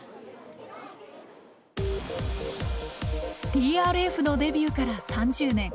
ＴＲＦのデビューから３０年。